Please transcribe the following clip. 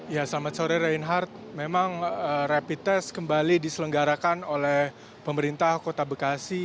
ya selamat sore reinhardt memang rapid test kembali diselenggarakan oleh pemerintah kota bekasi